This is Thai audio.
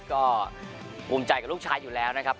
ก็ภูมิใจกับลูกชายอยู่แล้วนะครับ